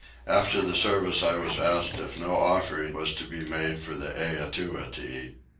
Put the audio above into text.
After the service I was asked if no offering was to be made for the Eatua to eat.